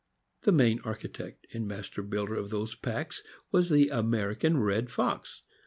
The main architect and master builder of those packs was the American red fox.